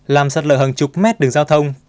làm sạt lở hàng chục mét đường giao thông